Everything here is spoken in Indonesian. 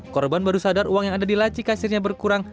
korban baru sadar uang yang ada di laci kasirnya berkurang